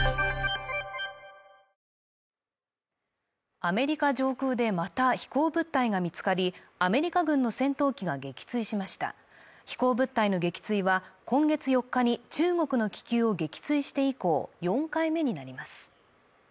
アメリカ上空でまた飛行物体が見つかりアメリカ軍の戦闘機が撃墜しました飛行物体の撃墜は今月４日に中国の気球を撃墜して以降４回目になります